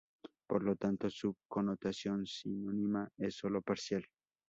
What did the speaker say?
Por lo tanto su connotación sinónima es sólo parcial.